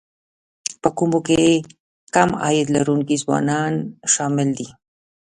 په کومو کې کم عاید لرونکي ځوانان شامل دي